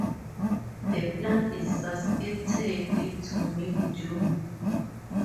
The plant is susceptible to mildew.